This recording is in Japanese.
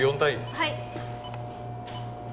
はい。